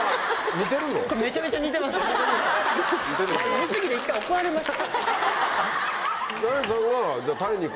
似てるのか。